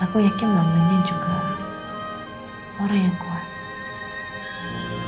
aku yakin namanya juga orang yang kuat